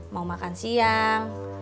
mau makan siang